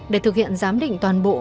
để thực hiện giám định toàn bộ